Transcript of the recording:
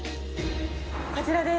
こちらです。